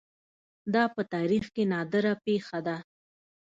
دا په تاریخ کې نادره پېښه ده